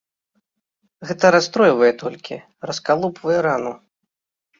Гэта расстройвае толькі, раскалупвае рану.